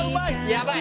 「やばい！」